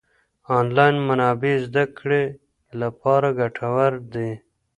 انلاين منابع زده کړې لپاره ګټورې دي.